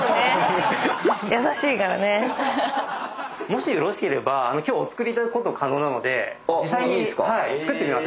もしよろしければ今日お作りいただくこと可能なので。